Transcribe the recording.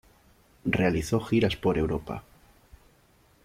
Realizó giras por Europa.